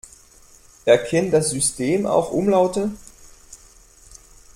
Erkennt das System auch Umlaute?